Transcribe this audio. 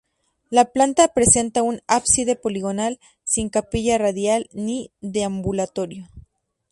La planta presenta un ábside poligonal sin capilla radial ni deambulatorio.